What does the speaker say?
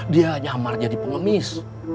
dia nyamar jadi pengemis